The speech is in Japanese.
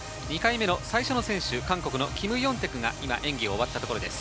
最初の選手、韓国のキム・ヨンテクが今、演技が終わったところです。